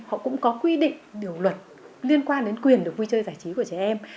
họ cũng có quy định điều luật liên quan đến quyền được vui chơi giải trí của trẻ em